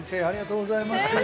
ありがとうございます。